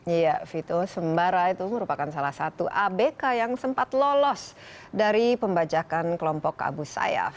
iya vito sembara itu merupakan salah satu abk yang sempat lolos dari pembajakan kelompok abu sayyaf